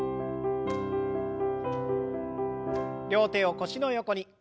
両手を腰の横に。